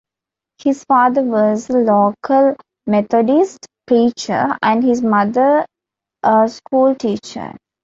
His father was a local Methodist preacher, and his mother a school teacher.